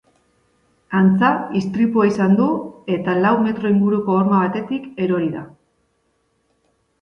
Antza, istripua izan du eta lau metro inguruko horma batetik erori da.